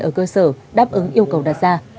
ở cơ sở đáp ứng yêu cầu đặt ra